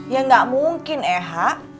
ya gak mungkin ehak